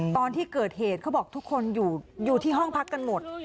ตอนที่เกิดเหตุเขาบอกทุกคนอยู่ที่ห้องพักกันหมด